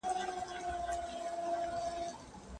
تر خپله وسه په هر څه کي مثبت فکر وکړئ.